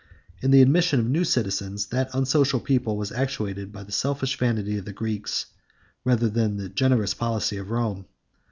In the admission of new citizens that unsocial people was actuated by the selfish vanity of the Greeks, rather than by the generous policy of Rome.